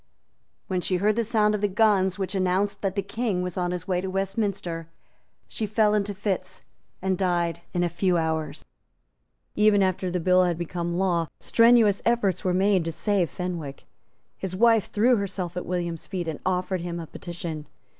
When she heard the sound of the guns which announced that the King was on his way to Westminster, she fell into fits, and died in a few hours. Even after the bill had become law, strenuous efforts were made to save Fenwick. His wife threw herself at William's feet, and offered him a petition.